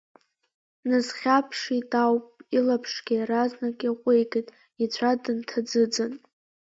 Дназхьаԥшит ауп, илаԥшгьы иаразнак иаҟәигеит, ицәа дынҭаӡыӡан…